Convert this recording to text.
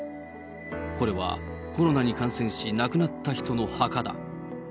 これはコロナに感染し、亡くなった人の墓だ。